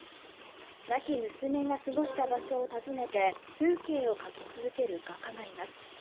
亡き娘が過ごした場所を訪ねて風景を描き続ける画家がいます。